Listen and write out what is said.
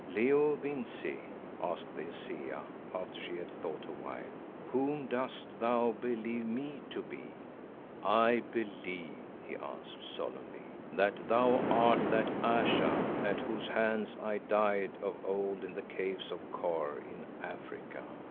"Leo Vincey," asked the Hesea, after she had thought awhile, "whom dost thou believe me to be?" "I believe," he answered solemnly, "that thou art that Ayesha at whose hands I died of old in the Caves of Kôr in Africa.